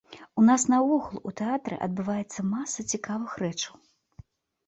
У нас наогул у тэатры адбываецца маса цікавых рэчаў.